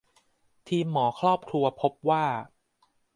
ทีมหมอครอบครัวพบว่า